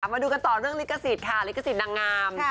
มาดูกันต่อเรื่องลิขสิทธิ์ค่ะลิขสิทธิ์นางงาม